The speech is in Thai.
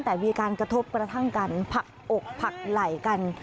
แต่มีการกระทบกระทั่งกันผักอกผักไหล่กัน